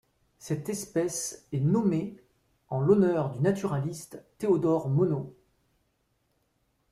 Cette espèce est nommée en l'honneur du naturaliste Théodore Monod.